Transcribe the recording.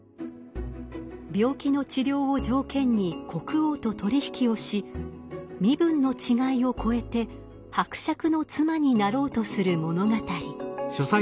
病気の治療を条件に国王と取り引きをし身分の違いを超えて伯爵の妻になろうとする物語。